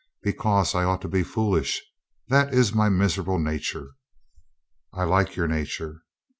"Because I ought to be foolish. That is my miserable nature." "I like your nature."